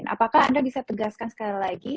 apakah anda bisa tegaskan sekali lagi